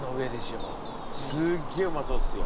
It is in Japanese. すっげえうまそうっすよ。